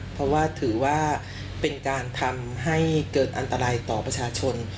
เพราะว่าถือว่าเป็นการทำให้เกิดอันตรายต่อประชาชน